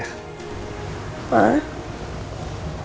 aku seneng denger ya